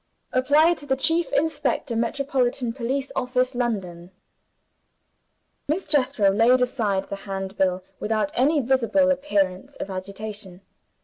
Apply to the Chief Inspector, Metropolitan Police Office, London." Miss Jethro laid aside the Handbill without any visible appearance of agitation.